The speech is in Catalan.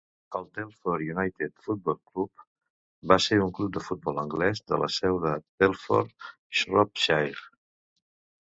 El Telford United Football Club va ser un club de futbol anglès de la seu de Telford, Shropshire.